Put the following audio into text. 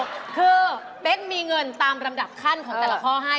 คือเป๊กมีเงินตามลำดับขั้นของแต่ละข้อให้